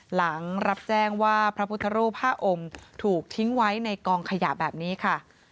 หลังรับแจ้งว่าพระพุทธรูป๕องค์ถูกทิ้งไว้ในกองขยะแบบนี้ค่ะ